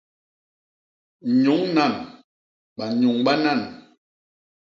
Nyuñ nan; banyuñ banan.